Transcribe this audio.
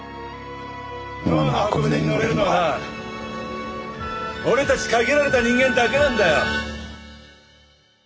ノアの箱舟に乗れるのは俺たち限られた人間だけなんだよ。